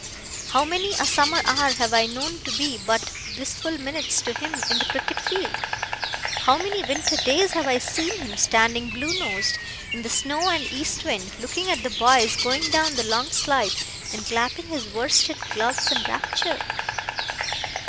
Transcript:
How many a summer hour have I known to be but blissful minutes to him in the cricket field! How many winter days have I seen him, standing blue nosed, in the snow and east wind, looking at the boys going down the long slide, and clapping his worsted gloves in rapture!